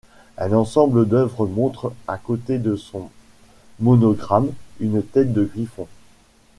Un ensemble d'œuvres montrent, à côté de son monogramme, une tête de griffon.